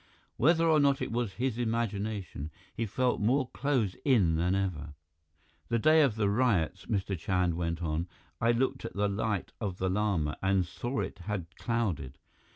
Whether or not it was his imagination, he felt more closed in than ever. "The day of the riots," Mr. Chand went on, "I looked at the Light of the Lama and saw it had clouded.